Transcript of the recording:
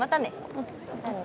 うんまたね。